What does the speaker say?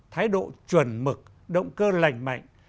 thái độ chuẩn mực động cơ lành mạnh